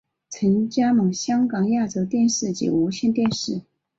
曾加盟香港亚洲电视及无线电视。